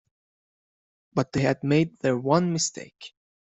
But they had made their one mistake.